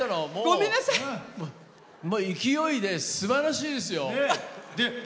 もう勢いですばらしいですよ。